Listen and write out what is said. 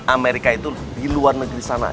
amerika itu di luar negeri sana